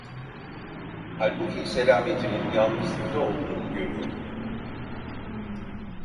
Halbuki selametinin yalnızlıkta olduğunu görüyorum.